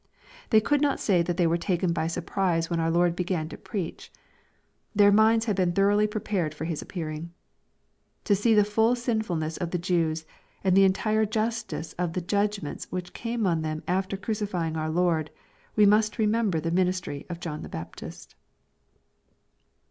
They could not say that they were taken by surprise when our Lord began to preach. Their minds" had been thoroughly prepared for His appearing. To see the full sinfulness of the Jews, and the entire justice of the judgments which came on them after crucifying our Lord, we must re member the ministry of John the Baptist.